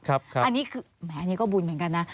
อันนี้คือแหมอันนี้ก็บุญเหมือนกันนะ